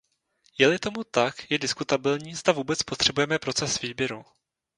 Je-li tomu tak, je diskutabilní, zda vůbec potřebujeme proces výběru.